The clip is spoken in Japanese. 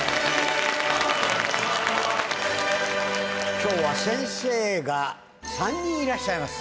今日は先生が３人いらっしゃいます。